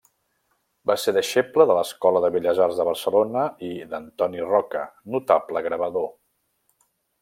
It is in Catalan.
Va ser deixeble de l'Escola de Belles Arts de Barcelona i d'Antoni Roca, notable gravador.